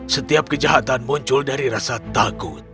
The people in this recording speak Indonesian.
setiap kejahatan muncul dari rasa takut